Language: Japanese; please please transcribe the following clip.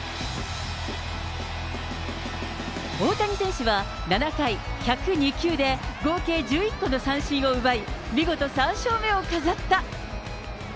大谷選手は、７回１０２球で合計１１個の三振を奪い、見事３勝目を飾った。